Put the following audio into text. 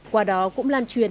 qua đó cũng lan truyền